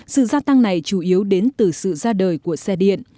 sự gia tăng này chủ yếu đến từ sự ra đời của xe điện